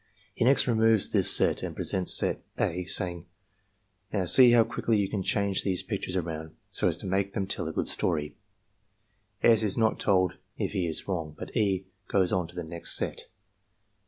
He next removes this set, and presents set (a), saying: ^^Now see how quickly you can change these pic tures around so as to make them tell a good story," S. is not told if he is wrong, but E. goes on to the next set.